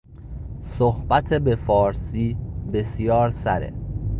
صحبت به فارسی بسیار سره